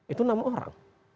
itu enam orang